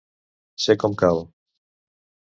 Ser com cal.